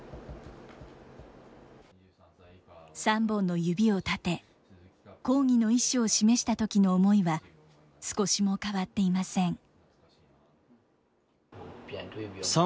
３本の指を立て、抗議の意思を示したときの思いは少しも変わっていません。